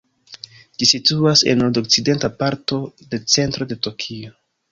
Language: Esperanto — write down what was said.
Ĝi situas en nord-okcidenta parto de centro de Tokio.